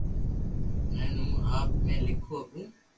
ھين ھون آپ ھي ليکو ھگو